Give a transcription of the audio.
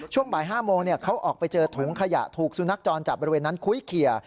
ช่วงบ่าย๕โมงเขาออกไปเจอถุงขยะถูกสุนัขจรจัดบริเวณนั้นคุ้ยเขีย